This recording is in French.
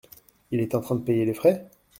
Il est en train de payer les frais ?